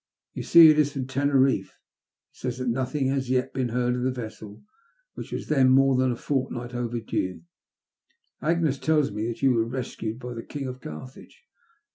" Tou see it is from Teneriffe, and says that nothing has yet been heard of the vessel which was then more than a fortnight overdue. Agnes tells me that you were rescued by the King of Carthage.